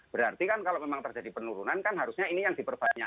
berarti kan kalau memang terjadi penurunan kan harusnya ini yang diperbanyak